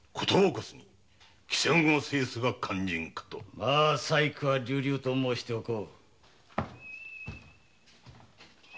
まあ細工は流々と申しておこう。